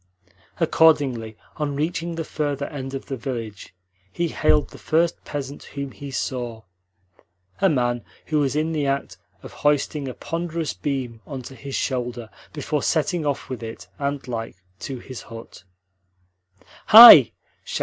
Accordingly, on reaching the further end of the village, he hailed the first peasant whom he saw a man who was in the act of hoisting a ponderous beam on to his shoulder before setting off with it, ant like, to his hut. "Hi!"